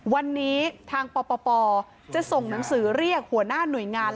วันนี้ทางปปจะส่งหนังสือเรียกหัวหน้าหน่วยงาน